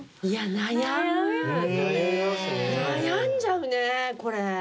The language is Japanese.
悩んじゃうねこれ。